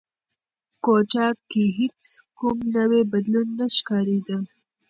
کوټه کې هیڅ کوم نوی بدلون نه ښکارېده.